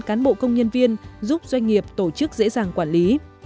cán bộ công nhân viên giúp doanh nghiệp tổ chức dễ dàng quản lý